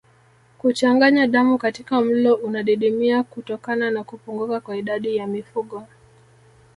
Kuchanganya damu katika mlo unadidimia kutokana na kupunguka kwa idadi ya mifugo